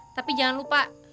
tapi jangan lupa